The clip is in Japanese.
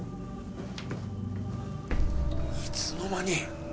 いつの間に！？